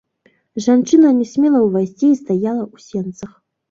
Жанчына не смела ўвайсці і стаяла ў сенцах.